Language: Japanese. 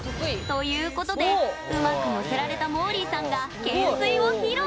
ということでうまくのせられたもーりーさんがけんすいを披露。